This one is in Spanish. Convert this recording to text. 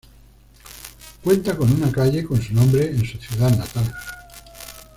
Cuenta con una calle con su nombre en su ciudad natal.